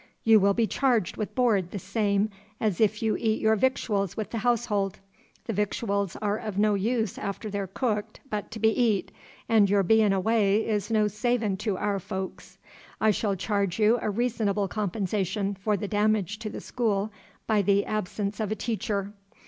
You will be charged with board the same as if you eat your victuals with the household. The victuals are of no use after they're cooked but to be eat, and your bein' away is no savin' to our folks. I shall charge you a reasonable compensation for the demage to the school by the absence of a teacher.